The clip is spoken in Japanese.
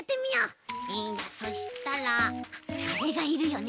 そしたらあれがいるよね。